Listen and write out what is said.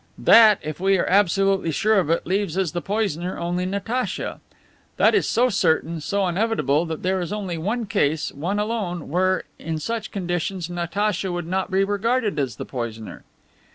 That, if we are absolutely sure of it, leaves as the poisoner only Natacha. That is so certain, so inevitable, that there is only one case, one alone, where, in such conditions, Natacha would not be regarded as the poisoner."